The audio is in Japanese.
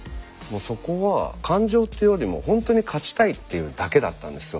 そこは感情というよりも本当に勝ちたいっていうだけだったんですよ。